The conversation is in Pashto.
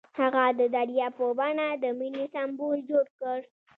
هغه د دریا په بڼه د مینې سمبول جوړ کړ.